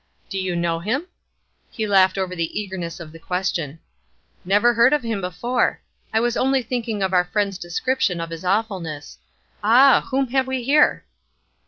"Do you know him?" He laughed over the eagerness of the question. "Never heard of him before. I was only thinking of our friend's description of his awfulness. Ah, whom have we here?"